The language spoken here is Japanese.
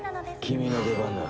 君の出番だ。